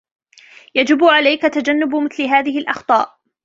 يجب عليك تجنب مثل هذه الاخطاء